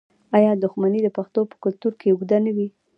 آیا دښمني د پښتنو په کلتور کې اوږده نه وي؟